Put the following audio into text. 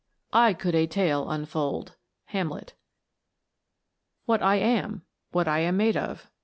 I could a Tale unfold." Hamlet. WHAT I am 1 What I am made of?